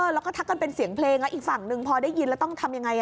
แล้วก็ทักกันเป็นเสียงเพลงอีกฝั่งหนึ่งพอได้ยินแล้วต้องทำยังไง